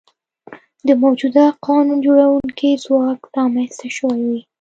د موجوده قانون جوړوونکي ځواک رامنځته شوي وي.